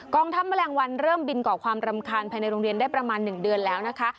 องทัพแมลงวันเริ่มบินก่อความรำคาญภายในโรงเรียนได้ประมาณ๑เดือนแล้วนะคะ